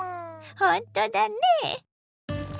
ほんとだね。